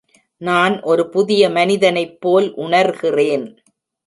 நான் ஒரு புதிய மனிதனைப் போல் உணர்கிறேன்.